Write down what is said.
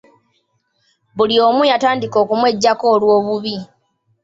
Buli omu yatandika okumweggyako olw'obubbi.